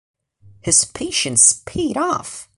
His patience paid off.